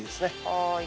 はい。